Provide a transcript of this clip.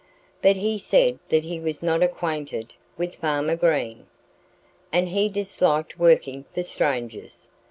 But he said that he was not acquainted with Farmer Green. And he disliked working for strangers.